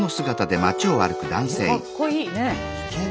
かっこいいね。